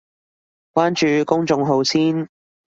關注公眾號先